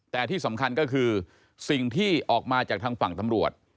แต่ที่สำคัญก็คือสิ่งที่ออกมาจากทางฝั่งตำรวจ